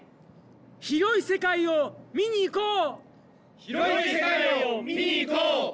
広い世界を見にいこう！